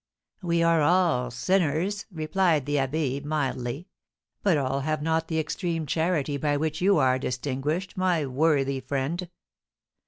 "We are all sinners," replied the abbé, mildly; "but all have not the extreme charity by which you are distinguished, my worthy friend.